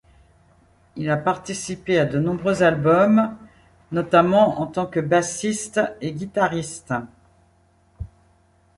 Il a participé à de nombreux albums notamment en tant que bassiste et guitariste.